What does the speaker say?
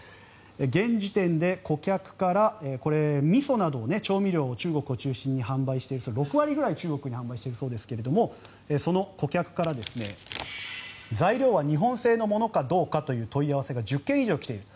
現時点で顧客からこれ、みそなど調味料を中国を中心に販売している、６割くらい中国に販売しているそうですがその顧客から、材料は日本製のものかどうかという問い合わせが１０件以上来ている